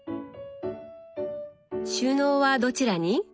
収納はどちらに？